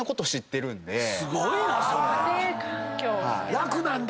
楽なんだ！